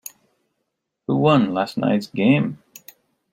Who won last night's game?